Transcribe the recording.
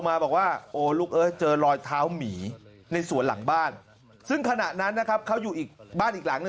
มาบอกว่าโอ้ลูกเจ้ารอยเท้าหมีในศูนย์หลังบ้านซึ่งขณะนั้นนะครับเขาอยู่บ้าน